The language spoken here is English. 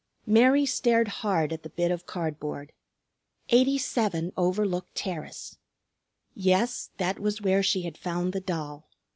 Mary stared hard at the bit of cardboard. 87 Overlook Terrace! Yes, that was where she had found the doll.